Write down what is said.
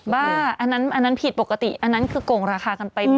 บ้าอันนั้นอันนั้นผิดปกติอันนั้นคือโก่งราคากันไป